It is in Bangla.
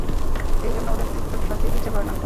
এই জন্য উদয়াদিত্যকে শাস্তি দিতে ইচ্ছা করে না।